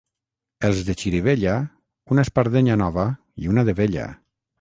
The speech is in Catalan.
Els de Xirivella, una espardenya nova i una de vella.